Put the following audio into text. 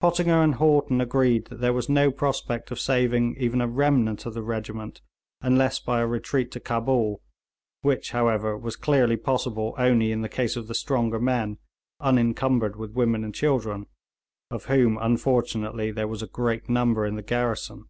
Pottinger and Haughton agreed that there was no prospect of saving even a remnant of the regiment unless by a retreat to Cabul, which, however, was clearly possible only in the case of the stronger men, unencumbered with women and children, of whom, unfortunately, there was a great number in the garrison.